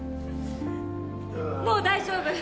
もう大丈夫！